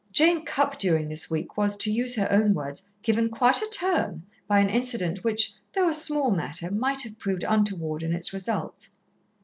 Jane Cupp during this week was, to use her own words, "given quite a turn" by an incident which, though a small matter, might have proved untoward in its results.